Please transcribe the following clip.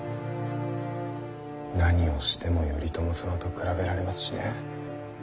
何をしても頼朝様と比べられますしね。